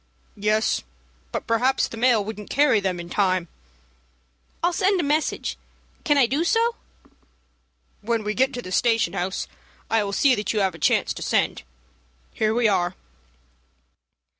"Yes; but perhaps the mail wouldn't carry them in time." "I will send a messenger. Can I do so?" "When we get to the station house I will see that you have a chance to send. Here we are."